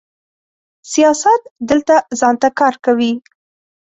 سیاست دلته ځان ته کار کوي.